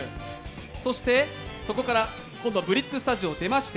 そしてそこから今度はＢＬＩＴＺスタジオを出まして